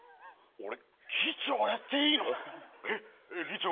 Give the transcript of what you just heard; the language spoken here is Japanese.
俺、議長やっていいの？